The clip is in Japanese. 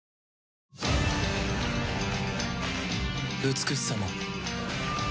美しさも